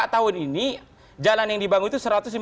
tahun ini jalan yang dibangun itu